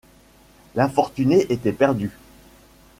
L’infortuné était perdu.